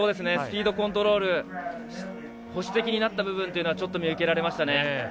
スピードコントロール保守的になった部分というのはちょっと見受けられましたね。